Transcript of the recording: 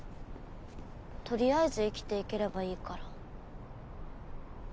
とりあえず生きていければいいから。